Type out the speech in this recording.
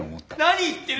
何言ってる。